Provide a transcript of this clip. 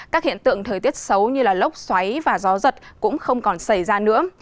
các hiện tượng thời tiết xấu như lốc xoáy và gió giật cũng không còn xảy ra nữa